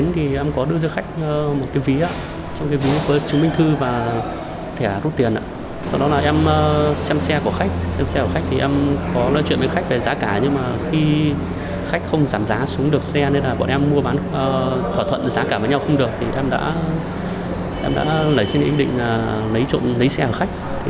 trong lúc của khách xem xe của khách thì em có nói chuyện với khách về giá cả nhưng mà khi khách không giảm giá xuống được xe nên là bọn em mua bán thỏa thuận giá cả với nhau không được thì em đã lấy xin ý định lấy xe của khách